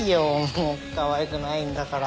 もうかわいくないんだから。